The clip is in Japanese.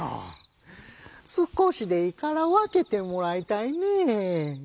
「少しでいいから分けてもらいたいねえ」。